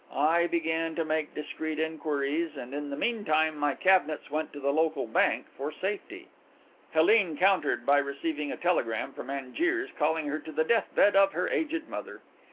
I began to make discreet inquiries and in the meantime my cabinets went to the local bank for safety. Helene countered by receiving a telegram from Angiers, calling her to the death bed of her aged mother.